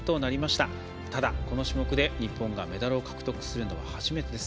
ただ、この種目で日本がメダルを獲得するのは初めてです。